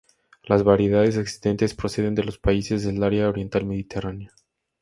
Las variedades existentes proceden de los países del área Oriental Mediterránea.